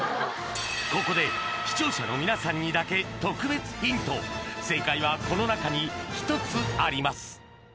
ここで視聴者の皆さんにだけ特別ヒント正解はこの中に１つあります